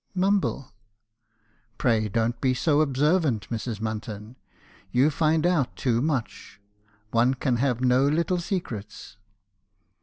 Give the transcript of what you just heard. "Mumble. " 'Pray don't be so observant, Mrs. Munton; you find out too much. One can have no little secrets.'